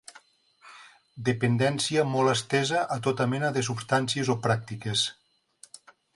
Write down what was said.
Dependència molt estesa a tota mena de substàncies o pràctiques.